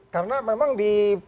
karena memang di